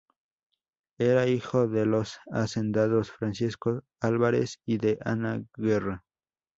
Era hijo de los hacendados Francisco Álvarez y de Ana Guerra.